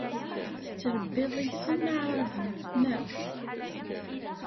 Tettṛebbiḍ iysan aɛṛaben, naɣ?